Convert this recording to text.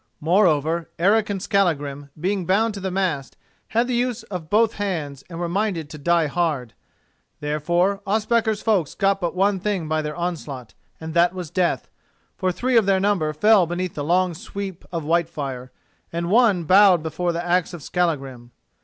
Moreover, Eric and Skallagrim, being bound to the mast, had the use of both hands and were minded to die hard. Therefore Ospakar's folks got but one thing by their onslaught, and that was death, for three of their number fell beneath the long sweep of Whitefire, and one bowed before the axe of Skallagrim.